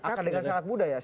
akan dengan sangat mudah ya